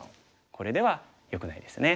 これではよくないですね。